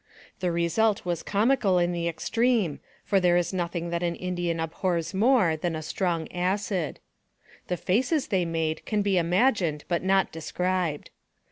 The result was comical in the extreme, for there is nothing that an Indian abhors more than a strong acid. The faces they made can be imagined but not described.